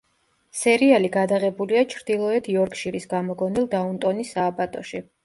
სერიალი გადაღებულია ჩრდილოეთ იორკშირის გამოგონილ დაუნტონის სააბატოში.